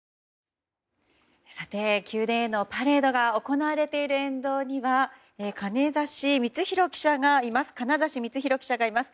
宮殿へのパレードが行われている沿道には金指光宏記者がいます。